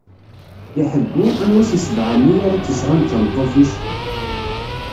Di ḥeggu, anwa si sebɛa-nni ara tt-isɛun d tameṭṭut-is?